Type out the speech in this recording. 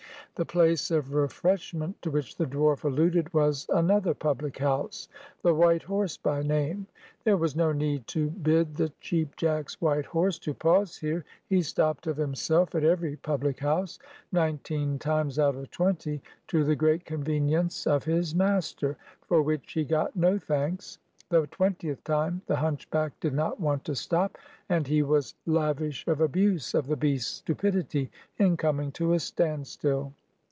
The place of refreshment to which the dwarf alluded was another public house, the White Horse by name. There was no need to bid the Cheap Jack's white horse to pause here; he stopped of himself at every public house; nineteen times out of twenty to the great convenience of his master, for which he got no thanks; the twentieth time the hunchback did not want to stop, and he was lavish of abuse of the beast's stupidity in coming to a standstill.